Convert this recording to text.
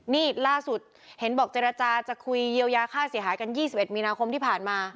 นี่ล่าสุดเห็นบอกเจรจาจะคุยเยียวยาค่าเสียหายกัน๒๑มีนาคมที่ผ่านมา